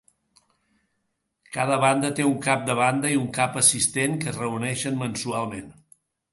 Cada banda té un cap de banda i un cap assistent que es reuneixen mensualment.